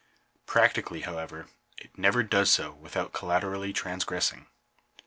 Practically, however, it never does so without collaterally transgressing.